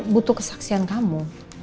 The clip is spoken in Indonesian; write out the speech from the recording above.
butuh kesaksian kamu